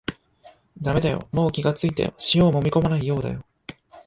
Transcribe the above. だめだよ、もう気がついたよ、塩をもみこまないようだよ